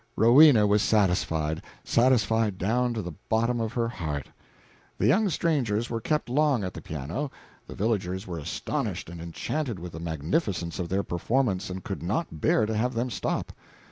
Rowena was satisfied satisfied down to the bottom of her heart. The young strangers were kept long at the piano. The villagers were astonished and enchanted with the magnificence of their performance, and could not bear to have them stop.